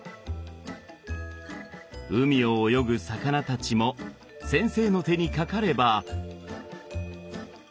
海を泳ぐ魚たちも先生の手にかかれば。